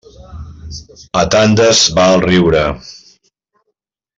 A tandes va el riure.